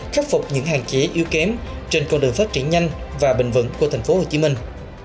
khắc phục những hạn chế yếu kém trên con đường phát triển nhanh và bình vẩn của thành phố hồ chí minh